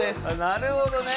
なるほどね！